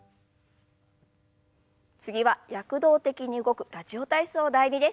次は躍動的に動く「ラジオ体操第２」です。